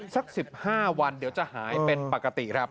สัก๑๕วันเดี๋ยวจะหายเป็นปกติครับ